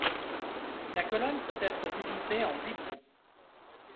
La colonne peut être divisée en huit groupes.